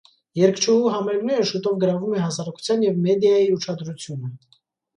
Երգչուհու համերգները շուտով գրավում է հասարակության և մեդիայի ուշադրությունը։